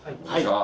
はい！